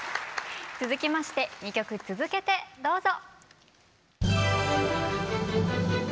続きまして２曲続けてどうぞ。